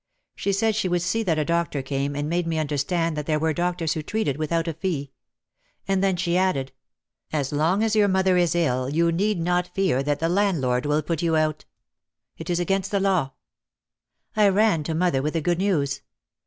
She said she would see that a doctor came and made me understand that there were doctors who treated without a fee. And then she added : "As long as your mother is ill you need not fear that the landlord will put you out. It is against the law." I ran to mother with the good news.